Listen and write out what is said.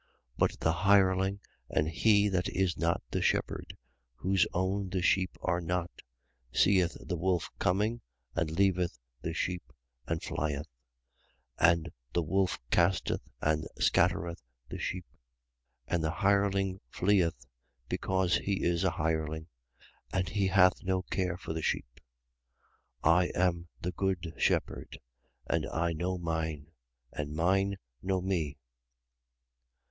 10:12. But the hireling and he that is not the shepherd, whose own the sheep are not, seeth the wolf coming and leaveth the sheep and flieth: and the wolf casteth and scattereth the sheep, 10:13. And the hireling flieth, because he is a hireling: and he hath no care for the sheep. 10:14. I am the good shepherd: and I know mine, and mine know me.